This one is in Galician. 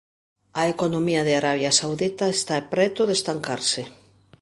A economía de Arabia Saudita está preto de estancarse